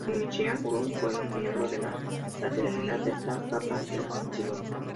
En Míchigan, Brush fue miembro de la fraternidad Delta Kappa Epsilon.